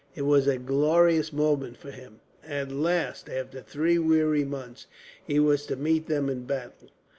It was a glorious moment for him. At last, after three weary months, he was to meet them in battle.